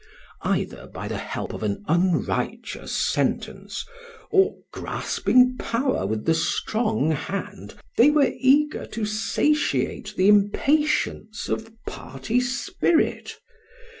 Either by the help of an unrighteous sentence, or grasping power with the strong hand, they were eager to satiate the impatience of party spirit.